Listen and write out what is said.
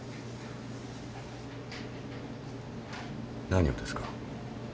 何をですか？